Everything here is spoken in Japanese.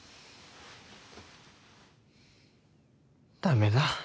駄目だ。